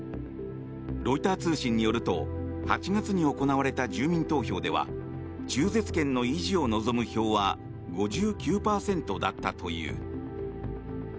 ロイター通信によると８月に行われた住民投票では中絶権の維持を望む票は５９％だったという。